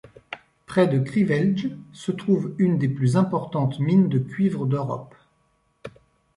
Près de Krivelj se trouve une des plus importantes mines de cuivre d'Europe.